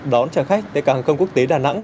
đón trả khách tại cảng hàng không quốc tế đà nẵng